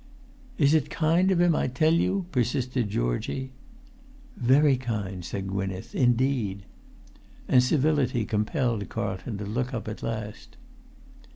"Is it kind of him, I tell you?" persisted Georgie. "Very kind," said Gwynneth, "indeed." And civility compelled Carlton to look up at last.